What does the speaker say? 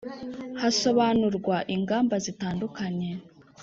hasobanurwa ingamba zitandukanye